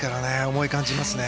思いを感じますね。